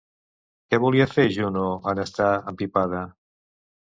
Què volia fer Juno en estar empipada?